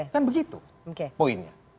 kan begitu poinnya